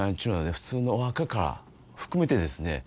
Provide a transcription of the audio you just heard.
普通のお墓から含めてですね